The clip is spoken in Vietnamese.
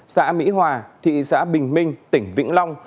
xã mỹ hòa thị xã bình minh tỉnh vĩnh long